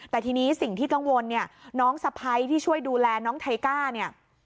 แต่ทีนี้สิ่งที่กังวลเนี่ยน้องสะพ้ายที่ช่วยดูแลน้องไทก้าเนี่ย